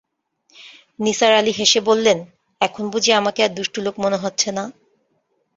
নিসার আলি হেসে বললেন, এখন বুঝি আমাকে আর দুষ্ট লোক মনে হচ্ছে না?